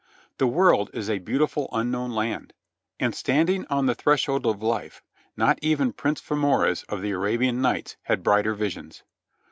The world is a beautiful unknown land, and stand ing on the threshold of life not even Prince Fermoraz of the "Arabian Xights"" had brighter visions.